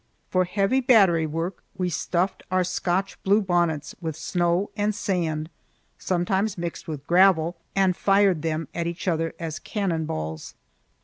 For heavy battery work we stuffed our Scotch blue bonnets with snow and sand, sometimes mixed with gravel, and fired them at each other as cannon balls.